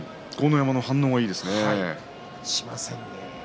山の反応がいいですね。